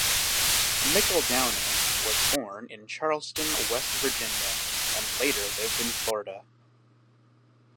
McEldowney was born in Charleston, West Virginia, and later lived in Florida.